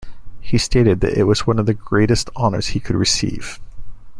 He stated that it was one of the greatest honours he could receive.